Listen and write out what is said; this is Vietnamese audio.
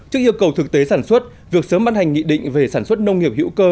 trước yêu cầu thực tế sản xuất việc sớm ban hành nghị định về sản xuất nông nghiệp hữu cơ